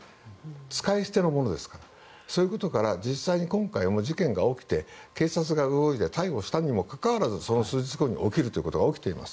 使い捨てのものですからそういうことから実際今回も事件が起きて、警察が動いて逮捕したにもかかわらずその数日後に起きています。